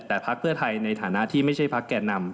แต่พักเพื่อไทยในฐานะที่ไม่ใช่พักแก่นำ